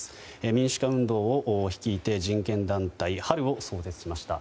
民主化運動を率いて人権団体、春を創設しました。